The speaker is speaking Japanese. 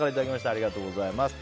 ありがとうございます。